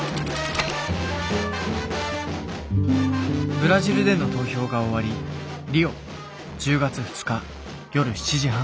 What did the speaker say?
ブラジルでの投票が終わりリオ１０月２日夜７時半。